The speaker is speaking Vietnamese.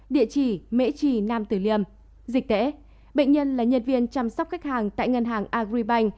dịch tễ bệnh nhân là nhân viên chăm sóc khách hàng tại ngân hàng agribank